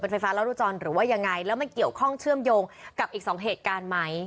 ไฟฟ้ารัวจรหรือว่ายังไงแล้วมันเกี่ยวข้องเชื่อมโยงกับอีกสองเหตุการณ์ไหม